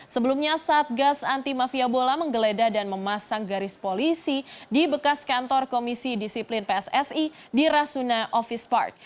sebelumnya satgas anti mafia bola menggeledah dan memasang garis polisi di bekas kantor komisi disiplin pssi di rasuna office park